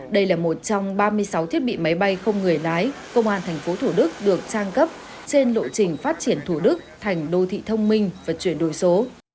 đây là một trong ba mươi sáu thiết bị máy bay không người lái công an tp thủ đức được trang cấp trên lộ trình phát triển thủ đức thành đô thị thông minh và chuyển đổi số